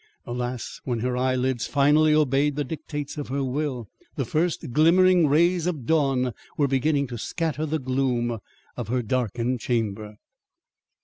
Alas, when her eyelids finally obeyed the dictates of her will, the first glimmering rays of dawn were beginning to scatter the gloom of her darkened chamber!